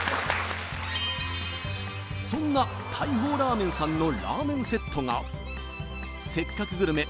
そんな大砲ラーメンさんのラーメンセットが「せっかくグルメ！！」